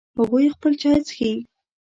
هغوی خپل چای څښي